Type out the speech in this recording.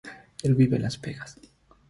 Él vive en Las Vegas.